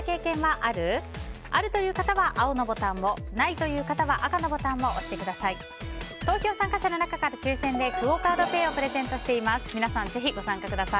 あるという方は青のボタンをないという方は赤のボタンを押してください。